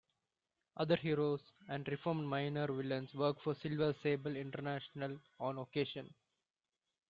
Other heroes and reformed minor villains work for Silver Sable International on occasion.